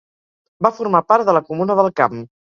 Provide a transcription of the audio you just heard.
Va formar part de la Comuna del Camp.